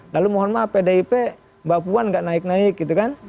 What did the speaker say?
lalu mohon maaf pdip mbak puan gak naik naik gitu kan